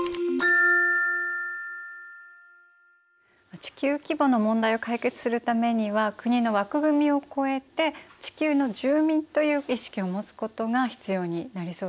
地球規模の問題を解決するためには国の枠組みを超えて地球の住民という意識を持つことが必要になりそうですね。